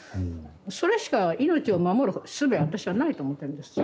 それしかいのちを守るすべは私はないと思ってるんです。